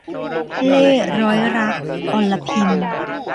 เล่ห์ร้อยรัก - อรพิม